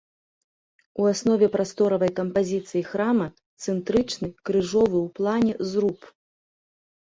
У аснове прасторавай кампазіцыі храма цэнтрычны крыжовы ў плане зруб.